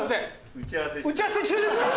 打ち合わせ中ですか？